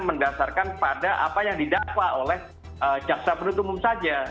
mendasarkan pada apa yang didakwa oleh jaksa penutup umum saja